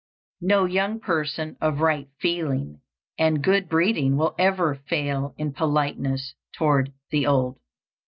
No young person of right feeling and good breeding will ever fail in politeness toward the old.